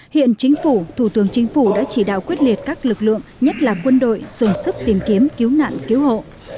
hiện chính phủ thủ tướng chính phủ đã chỉ đạo quyết liệt các lực lượng nhất là quân đội dùng sức tìm kiếm cứu nạn cứu hộ